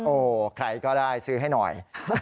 ใครก็ได้ซื้อให้หน่อย